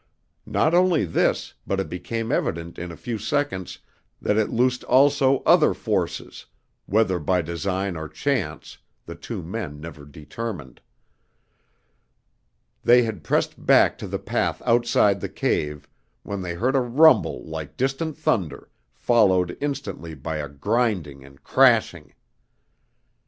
Not only this, but it became evident in a few seconds that it loosed also other forces whether by design or chance, the two men never determined. They had pressed back to the path outside the cave, when they heard a rumble like distant thunder, followed instantly by a grinding and crashing.